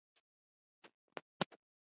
غول د کولمو د جراثیم نتیجه ده.